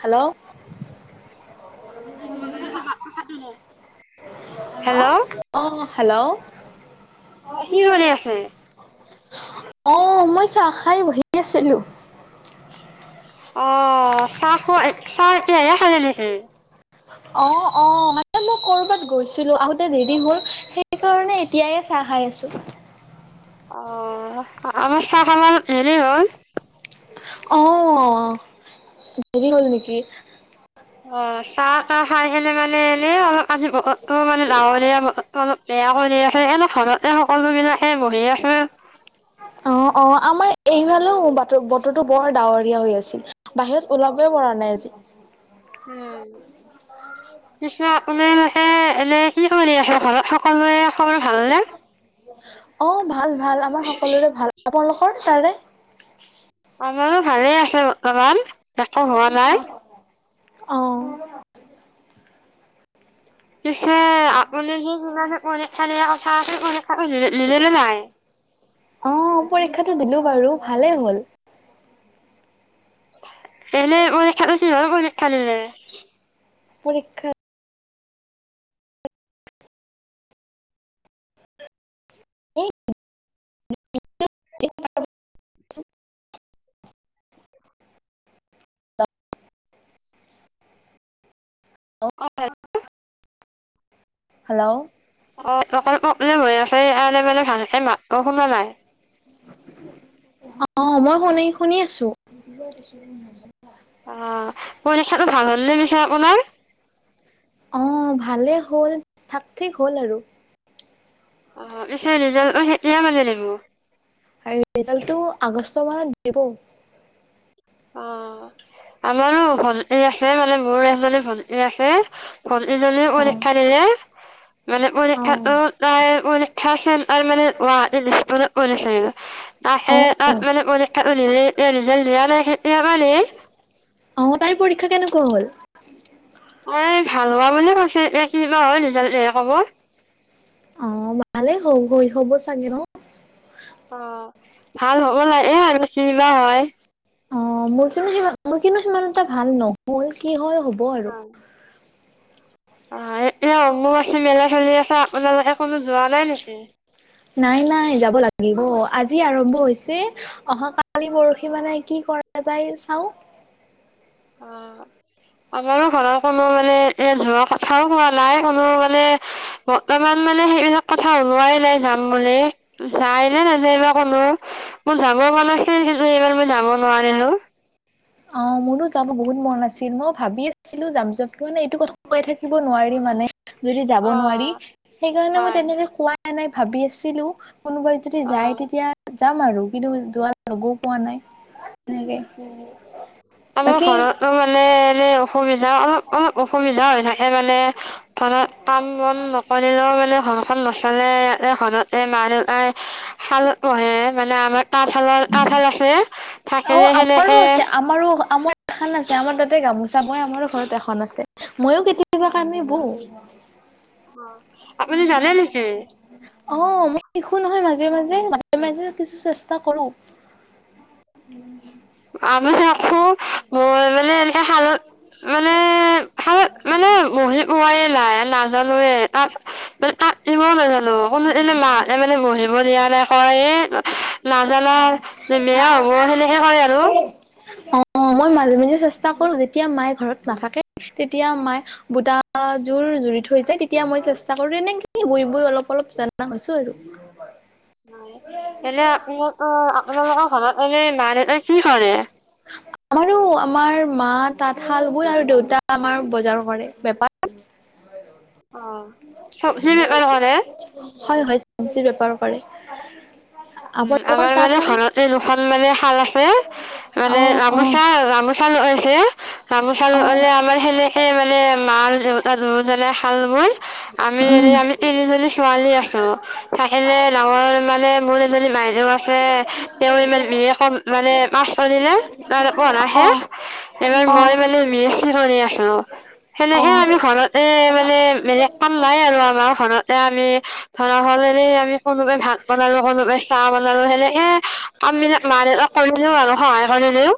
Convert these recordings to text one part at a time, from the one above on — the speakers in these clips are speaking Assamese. Hello hello. অ হেল্ল' কি কৰি আছে? আহ মই চাহ খাই বহি আছিলো। অ চাহ খ চাহ এতিয়া খালে নেকি? অ অ মানে মই কৰবাত গৈছিলো আহোতে দেৰি হল সেইকাৰণে এতিয়াই চাহ খাই আছো। অ'। অৱস্থা কমান হেৰি হ'ল। [unintelligible] আহ আহ দেৰি হ'ল নেকি? অ চাহ তাহ খাই। এনে মানে এনে অলপ আজি পকত একো মানে ডাাৱৰীয়া অলপ বেয়া কৰি আছে এনে ঘৰতে সকলোবিলাক হে বহি আছো। অ অ আমাৰ এইফালে বৰ বতৰটো বৰ ডাৱৰীয়া হৈ আছিল। বাহিৰত ওলাবই পৰা নাই আজি। পিছে আপোনালোকে এনেই কি কৰি আছে? ঘৰত সকলোৱে খবৰ ভালনে? [unintelligible] অ', ভাল ভাল, আমাৰ সকলোৰে ভাল। আপোনালোকৰ তাৰে আমাৰো ভালেই আছে বৰ্তমান। অ', হোৱা নাই। অ'। পিছে, আপুনি যে কিবা এটা পৰীক্ষা দিয়া কথা আছে, পৰীক্ষাটো [unintelligible] দিলে নে নাই? অ পৰীক্ষাটো দিলো বাৰু ভালেই হ'ল এনেই অক খালছিল ব অক খালিলে পৰীক্ষা [unintelligible] [unintelligible] অ অ হেল্ল' অ অকল প্ৰব্লেম হৈ আছে মানে ভালে ম অ শুনা নাই অ মই শুনি শুনি আছো অ কইনখাটো ভাল হ'ল ন মিছো আপোনাৰ অ ভালেই হ'ল থাক ঠিক হ'ল আৰু অ পি ৰিজাল সতিয়া মালে লাগিব আৰু ৰিজাল্টটো আগষ্ট মাহত দিব অ আমাৰো ভ এই আছেে মানে গৌ আহিবলৈ গলে ই আছে গলি গলি অ পৰীক্ষা দিলে [unintelligible] [unintelligible] এয়া অ অ অ গলে অ তাইৰ পৰীক্ষা কেনেকুৱা হ'ল এ ভাল হোৱা বুলি কৈছে এ কিনেকুৱা হ'ল সফ ক'ব অ' ভালেই হ হৈ হ'ব চাগে ন। অ' ভাল হ'ব লাগে আৰু বেছি নায় অ' মোৰ কিন্তু সি মোৰ কিন্তু সিমান এটা ভাল নহ'ল কি হ'ল। হ'ব আৰু। অ' এতিয়া এনে আছোঁ, মেলা চলি আছে আপোনালোকে কোনো যোৱা নাই নেকি। নাই নাই যাব লাগিব আজি আৰম্ভ হৈছে অহা কালি পৰশি মানে কি কৰা যায় চাও অহ' আমাৰো ঘৰৰ কোনো মানে এ যোৱা কথাও কোৱা নাই কোনো মানে বৰ্তমান মানে সেইবিলাক কথা ওলোৱাই নাই যাম বুলি। জাই এনে এইবাৰ কলো মোৰ ডাঙৰ মান আছিল স এইবাৰ মই ডাঙৰ নোৱাৰিলোঁ অ মোৰো যাব বহুত মন আছিল মই ভাবি আছিলো যাম য মানে এইটো কথাাই থাকিব নোৱাৰি মানে যদি যাব নোৱাৰি অ', সেইকাৰণে মই হয় তেনেকে কোৱা নাই ভাবি আছিলো কোনোবাই যদি যায় অ', তেতিয়া যাম আৰু কিন্তু যোৱা লগও পোৱা নাই তেনেকে উম আমাৰ বাকী ঘৰতো মানে এনে অসুবিধা অলপ অলপ অসুবিধা হৈ থাকে মানে ধৰা কাম বন নকৰিলেও মানে ঘৰখন ন চলে [unintelligible] এই মা দেউতাই শালত পে মানে আমাৰ তাঁতশালৰ তাঁতশাল আছে অ থাকিলে সেনেকে আমাৰো আছে আমাৰো আমাৰ এখন আছে আমাৰ তাতে গামোচা মই আমাৰো ঘৰত এখন আছে মইয়ো কেতিয়াবা কানি বওঁ। অ। আপুনি জানে নেকি? অ মই শিখো নহয় মাজে মাজে মাজে মাজে কিছু চেষ্টা কৰো। আমি থাকো মই মানে এনেকে শালত মানে শালত মানে বহি পোৱাই নাই নাজানোৱে তাঁত। মানে তাত কিবা নাজানো কোনো এনে মাহঁতে মানে বহিব দিয়া নাই কয় এ জানা যে বেয়া হ'ব সেনেকে কয়। আৰু। [unintelligible] অ মই মাজে মাজে চেষ্টা কৰো যেতিয়া মায়ে ঘৰত নাথাকে তেতিয়া মায়ে বুটা যোৰ জুৰি থৈ যায় তেতিয়া মই চেষ্ট চাকৰি নে কি বই বই অলপ অলপ জনা হৈছো আৰু। এনে আপোলোক আপোনালোকৰ ঘৰত এনে মা দেউতাই কি কৰে? আমাৰো আমাৰ মা তাঁতশাল বৈ আৰু দেউতা আমাৰ বজাৰ কৰে বেপাৰ। অ। চব্জি বেপাৰ কৰে? হয় হয় চব্জিৰ বেপাৰ কৰে। উম আপোনালোকৰ আমাৰ মানে তাঁতশাল ঘৰত এ দুখন মানে খাল আছে মানে অ', অ', ৰামোচা ৰামোচা লগাইছে। গামোচা অ', লগালে আমাৰ সেনেকে মানে মা দেউতা দুযোজনে শাল বয়, আমি এনে উম। আমি তিনিজনী ছোৱালী আছো থাকিলে ডাঙৰ মানে মোৰ বাইদেউ আছে, [unintelligible] পঢ়া শেষ অ', এইবাৰ মই অ', [unintelligible] সেনেকে অ', আমি ঘৰতে মানে বেলেগ কাম নাই আৰু আমাৰ। ঘৰতে আমি ধৰা হলেৰে আমি কোনোবাই [unintelligible] চাহ বনাও আৰু সেনেকে কাম বিলাক মান কৰি দিও আৰু সহায় কৰি দিও।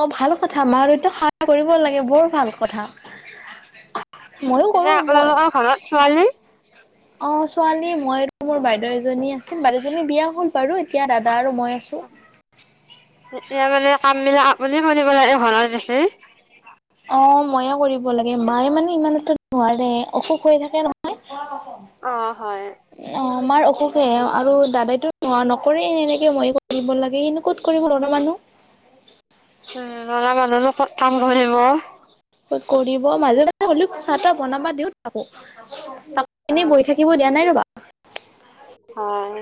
অ ভাল কথা মাৰ এইতটো কৰিব লাগে, বৰ ভাল কথা। ময়ো এনে কৰো মই আপোনালোকৰ ঘৰত ছোৱালী? অ', ছোৱালী মই আৰু মোৰ বাইদেউ এজনী আছিল। বাইদেউজনী বিয়া হল বাৰু এতিয়া দাদা আৰু। মই আছো। এয়া মানে কামবিলাক আপুনি কৰিব লাগে ঘৰৰ পিছে। [unintelligible] অ' ময়ে কৰিব লাগে, মায়ে মানে ইমান এটা নোৱাৰে, অসুখ হৈ থাকে নহয়। অ', হয়। আমাৰ অসুখে, আৰু দাদাইটো নো নকৰে এনেকে মই কৰিব লাগে। সিনো ক'ত কৰিব ল'ৰা মানুহ। উম। লৰা মানুহনো ক'ত কাম কৰিব। কৰিব মাজে মাজে হ'লেও চাহ তাহ বনাবা দিও তাকো। ত' এনেই বহি থাকিব দিয়া নাই ৰ'বা। হয়,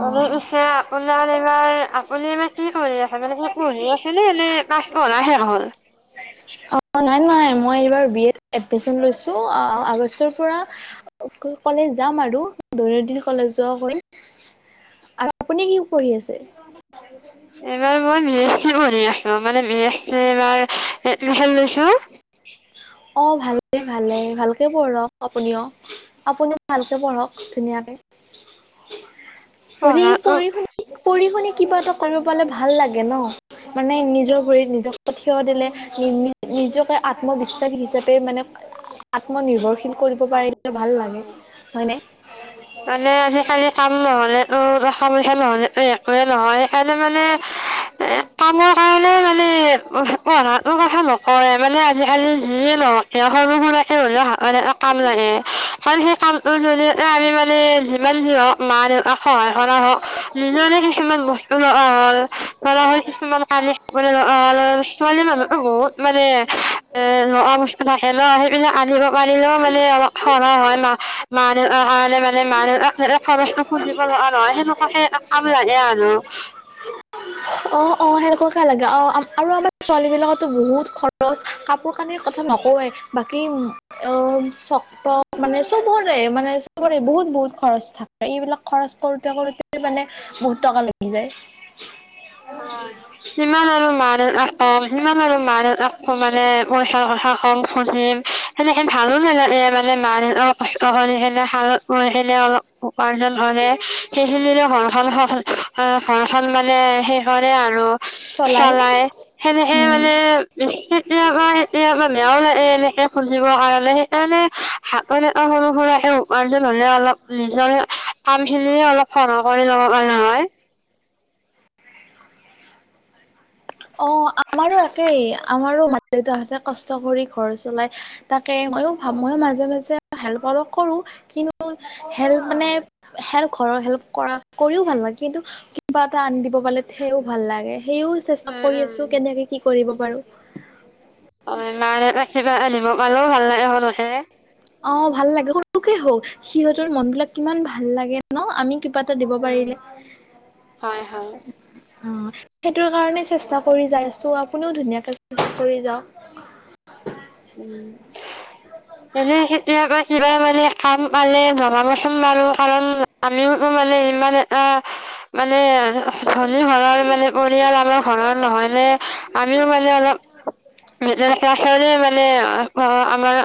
অ। এনেই পিছে আপোনাৰ এইবাৰ আপুনি এইবাৰ কি কৰি আছে। মানে কি পঢ়ি আছেনে এনে পাছ? কৰাহে নহল। অ', নাই, নাই। মই এইবাৰ বি এ ত এডমিশ্যন লৈছো, আ আগষ্টৰ পৰা ক-কলেজ যাম আৰু [unintelligible] কলেজ যোৱা কৰিম। আৰু আপুনি কি পঢ়ি আছে? এইবাৰ মই বি এছ চি পঢ়ি আছো, মানে [unintelligible] লৈছো অ ভালে ভালে, ভালকে পঢ়ক আপুনিও। আপুনিও ভালকে পঢ়ক, ধুনীয়াকে। পঢ়ি, পঢ়াটো পঢ়ি, শুনি। পঢ়ি, শুনি। কিবা এটা কৰিব পালে ভাল লাগে নহ, মানে নিজৰ। নিজৰ ভৰিত নিজে থিয় দিলে, নি-নিজকে আত্মবিশ্বাসী হিচাপে মানে আ-আত্মনিৰ্ভৰশীল। হয়, হয়, হয়। মানে, আজি কালি কাম নহলেটো [unintelligible] নহলেটো একোৱে নহয় সেইকাৰণে মানে, এ কামৰ কাৰণে মানে। [unintelligible] পঢ়াতো কথা নকওঁৱে, মানে আজিকালি যিয়ে নহওক কিয় সৰো সুৰাকে হলেও হাতত এটা। কাম লাগে। কাৰণ, সেই কামটোৰ জৰিয়তে আমি মানে যিমান যি হওক মা দেউকাক সহায় কৰা হওঁক, নিজৰে কিছুমান বস্তু লগা হল, ধৰা হ'ল কিছুমান কানি কাপোৰে লগা হল। ছোৱালী মানুহোকটো বহুত মানে এ লোৱা বস্তু থাকে ন, সেইবিলাক আনিব। [unintelligible] মানে অলপ সৰাহ হয়। মা-মা দেউতাৰ কাৰনে মানে, মা দেউতাক [unintelligible] খৰচ। খোজিব লগা নহয়, সেনো। তাকে। [unintelligible] লাগে আৰু। অ', অ', সেনেকুৱাকে লাগে অ, আ-আৰু আমাৰ ছোৱালী বিলাকৰতো বহুত খৰচ, কাপোৰ। আমি কথা নকওৱে। বা কি উম [unintelligible] মানে চবৰে, মানে চবৰে বহুত বহুত খৰচ থাকে। এইবিলাক খৰচ কৰোতে কৰোতে মানে, বহুত টকা লাগি যায়। কিমান আৰু মা দেউতাক কম। কিমান আৰু মা দেউতাক [unintelligible] মানে পইচাৰ কথা কম, শুধিম সেনেকে ভালো নাগালে মানে মা দেউতাক। কষ্ট কৰি কিনে শালত বহি [unintelligible] অলপ উপাৰ্জন হলে সেইখিনিৰে ঘৰ খন [unintelligible] ঘৰখন মানে সেই। ধৰে আৰু চলাই সেনেহে উম, মানে খেতিয়ক কেতিয়াবা বেয়াও লাগে এনেকে খুজিবৰ কাৰণে সেইকাৰণে হাতত এটা সৰু সুৰাকে উপাৰ্জন হ'লে অলপ নিজৰ কাম খিনিয় অলপ সহায় কৰি ল'ব কাৰণে হয়। অ' আমাৰো একেই। আমাৰো মা দেউতাহতে কষ্ট কৰি ঘৰ চলাই তাকে মইো ভ ময়ো মাজে মাজে হেল্প অলপ কৰো কিন্তু হেল্প মানে হেল্প ঘৰৰ হেল্প কৰা কৰিও ভাল লাগে কিন্তু কিবা এটা আনি দিব পালে সেও ভাল লাগে সেইও কৰি উম উম আছো কেনেকে কি কৰিব পাৰোঁ। অ' মা দেউতাক কিবা আনিব হ'লেও ভাল লাগে গে মনতে। অ' ভাল লাগে সৰুকে হওক সিহঁতৰ মন বিলাক কিমান ভাল লাগে ন আমি কিবা এটা দিব উম, পাৰিলে হয় হয়। অ' সেইটোৰ কাৰণে চেষ্টা কৰি যাই আছো আপুনিও ধুনীয়াকে চ কৰি যাওক উ এনে খেতি আকৌ কিবা মানে খাম পানে ভনাবচোন বাৰু কাৰণ আমিও মানে ইিমান এটা মানে ধনী ঘৰৰ মানে পৰিয়াল আমাৰ ঘৰৰ নহয় নে আমিও মানে অলপ ভ আমাৰ্া আমাৰ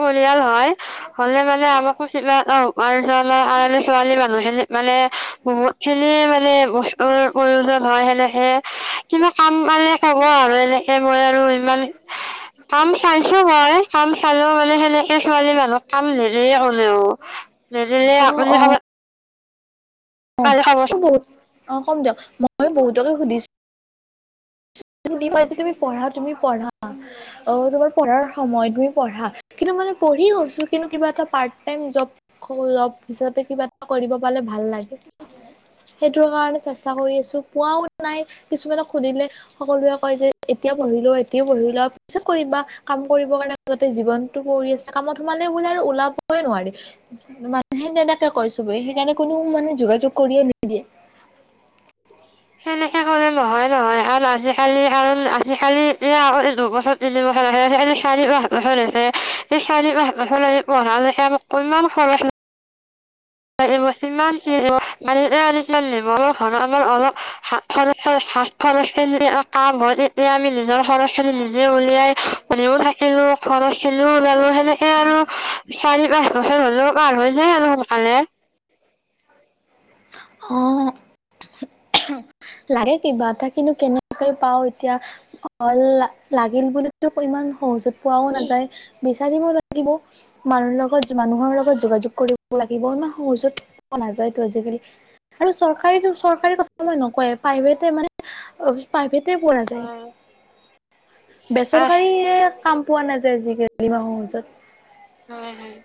পৰিয়াল হয় হলে মানে আমাৰ খুত আৰে ছোৱালী বোৰ মানে কত খেলি মানে বস্তুৰ প্ৰয়োজন হয় সেনেকে কিবা কাম মান কব আৰু এনেকে মই আৰু ইমান কাম চাইছো মই কাম চালেও মানে সেনেকে ছোৱালী মানুহক কাম নিেদিলে কোলেও নিদিলে আপুনি কবাত হয় পালে ক'ব বত অ' কম দিয়ক মই বহুতকে সুধিছো তুমি পঢ়া অ তোমাৰ পঢ়াৰ সময় তুমি পঢ়া কিন্তু মানে পঢ়ি গৈছো কিন্তু কিবা এটা জ জ হিচাপে কিবা এটা কৰিব পালে ভাল লাগে সেইটো কাৰণে চেষ্টা কৰি আছো পোৱাও নাই কিছুমানক সুধিলে সকলোৱে কয় যে এতিয়া পঢ়ি ল এতিয়াও পঢ়ি ল পিছত কৰিবা কাম কৰিবৰ কাৰণোতে জীৱনতটো পৰি আছে কামত সোমালে বোলে আৰু ওলাবই নোৱি মানুহে তেনেকে কৈ চোব সেইকাৰণে কোনো মানে যোগাযোগ কৰিয়ে নিদিয়ে সেনেকে কলে নহয় নহয় কাৰ আজিকালি কাৰণ আজিকালি এতিয়া আগ দুবছৰ তিনি বছৰ আছে সেইালি চাৰি পাঁচ বছৰ আছে সেই চাৰি পাঁ হাৰ ফ পঢ়ালকে আমাক ইমান খৰচ [unintelligible] নিজৰ খৰচ খিনি নিজে উলিয়াই, [unintelligible] থাকিলো খৰচ খিনিও ওলালো সেনেকে আৰু চাৰি পাঁচ বছৰ হলেও পাৰ হয় যাই আৰু। [unintelligible] অ'। লাগে কিবা এটা, কিন্তু কেনেকে পাও এতিয়া, [unintelligible] লাগিল বুলিটো ইমান সহজতে পোৱাও নাযায়। বিচাৰিব লাগিব, মানুহ লগত, মানুহৰ লগত যোগাযোগ কৰিব লাগিব, ইমান সহজত পোৱা নাযায়টো আজিকালি। আৰু চৰকাৰী চৰকাৰী কথা মই নক [unintelligible] পাইভেট এ মানে, পাইভেট, [unintelligible] হয় হয় বেচৰকাৰী কাম পোৱা নাযায়, আজিকালি [unintelligible] সহজত। হয়, হয়।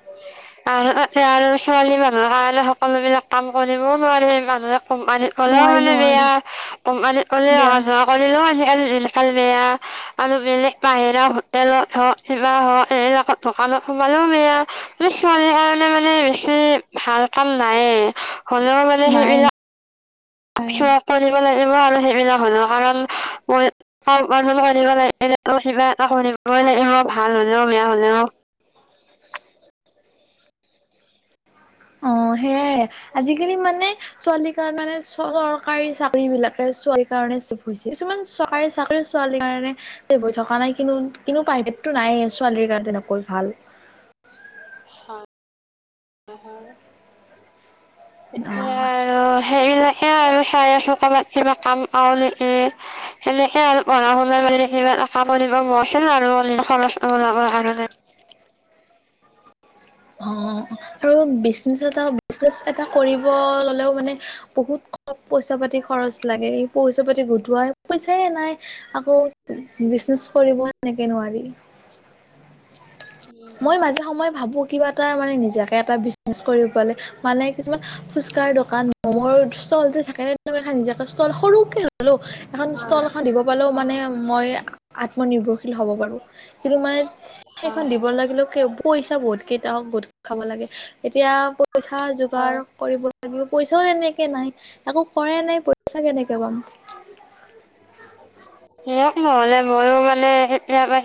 আৰু আৰু ছোৱালী মানুহৰ কাৰ আৰু সকলো বিলাক কাম কৰিবও নোৱাৰি মানুহে কোমাৰিত গ'লেও নোৱাৰি মানে নোৱাৰি বেয়া কোমাৰত ক'লে বেয়া অহা যোৱা কৰিলেও আজিকালি দিন কাল বেয়া আৰু বেলেগ বাহিৰা হোটেলত হওক। কিবা হওক এইবিলাকত দোকানত সোমালেও বেয়া, মানে ছোৱালীৰ কাৰণে মানে বেছি ভাল। কাম নাইয়ে, হলেও মানে নাই সেইবিলাক। নাই চ দিব লাগিবই আৰু সেইবিলাক হ'লেও কাৰণ মই [unintelligible] কিবা এটা কৰিবই লাগিব, ভাল হ'লেও, বেয়া হ'লেও অ', সেয়াই আজিকালি মানে ছোৱালীৰ কাৰ মে চ চৰকাৰী চাকৰি বিলাকে ছোৱালীৰ কাৰণে চেভ হৈছে কিছুমান চৰকাৰী চাকৰি ছোৱালীৰ কাৰণে চেভ হৈ থকা নাই কিন্তু কিন্তু প্ৰাইভেটো নাই ছোৱালীৰ কাৰণে তেনেকৈ ভাল। হয় নহয়। অ এতিয়া আৰু সেইবিলাক আৰু চাই আছোঁ ক'ৰবাত কিবা কাম পাওঁ নেকি, সেনেকে আৰু পঢ়া শুনা মানে কিবা এটা কৰিব মন আছিল আৰু নিজৰ খৰচটো ওলাবৰ কাৰণে অহ' তোৰ ব্ৰিজনেচ এটা ব্ৰিজনেছ এটা কৰিব ললেওঁ মানে বহুত ক পইচা পাতি খৰচ লাগে। পইচা পাতি গোটোৱাই প এই নাই আকৌ ব্ৰিজনেচ কৰিব এনেকে নোৱাৰি। মই মাজে সময়ে ভাবো উম। কিবা এটা মানে নিজাকে এটা ব্ৰিজনেছ কৰিব পালে মানে কিছুমান ফুচকাৰ দোকান মম'ৰ ষ্টল যে থাকে তেনেকে এ নিজে সৰুকে হ'লেও এখন ষ্টল এখন দিব পালেও মানে মই আত্মনিৰ্ভৰশীল হ'ব পাৰোঁ। কিন্তু মানে সেইখন দিব লাগিলেও পইচা বহুত কেই ক গোট খাব লাগে এতিয়া পইচা যোগাৰ কৰিব লাগিব পইচাও তেনেকে নাই, একো কৰে নাই পইচা কেনেকে পাম। দিয়ক নহ'লে ময়ো মানে সেতিয়া